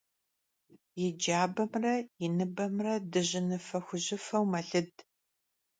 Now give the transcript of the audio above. И джабэмрэ и ныбэмрэ дыжьыныфэ-хужьыфэу мэлыд.